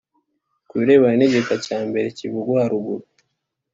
ku birebana n igika cya mbere kivugwa haruguru